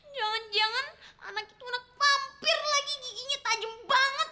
jangan jangan anak itu anak vampir lagi giginya tajem banget